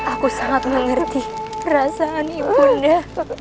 aku sangat mengerti perasaan ibu nda